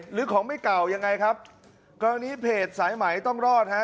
หรือของไม่เก่ายังไงครับกรณีเพจสายไหมต้องรอดฮะ